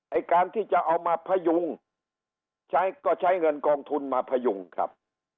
ไอ้การที่จะเอามาพยุงใช้ก็ใช้เงินกองทุนมาพยุงครับ